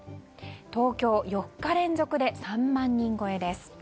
東京４日連続で３万人超えです。